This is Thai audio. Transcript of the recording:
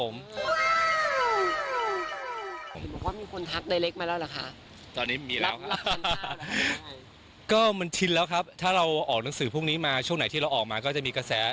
ไม่มีแฟนครับโสดครับ